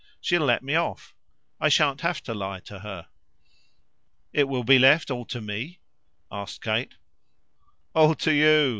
She'll let me off. I shan't have to lie to her." "It will be left all to me?" asked Kate. "All to you!"